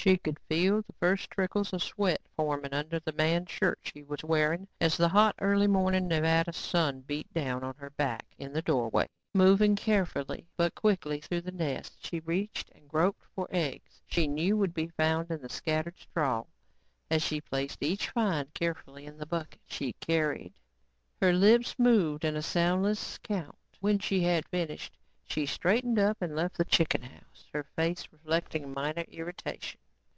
She could feel the first trickles of sweat forming under the man's shirt she was wearing as the hot, early morning Nevada sun beat down on her back in the doorway. Moving carefully but quickly through the nests, she reached and groped for the eggs she knew would be found in the scattered straw. As she placed each find carefully in the bucket she carried, her lips moved in a soundless count. When she had finished, she straightened up and left the chicken house, her face reflecting minor irritation.